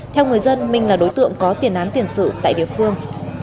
theo người dân minh là đối tượng có tiền án tiền sự tại địa phương